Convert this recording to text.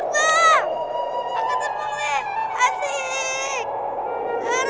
le aku terbang